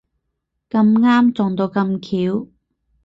咁啱撞到咁巧